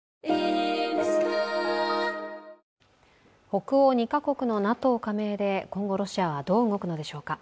北欧２カ国のＮＡＴＯ加盟で、今後、ロシアはどう動くのでしょうか。